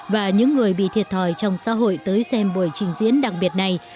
và những người bị thiệt thòi trong xã hội tới xem buổi trình diễn đặc biệt này